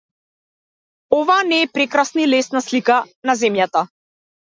Ова не е прекрасна и лесна слика на земјата.